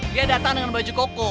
dia datang dengan baju koko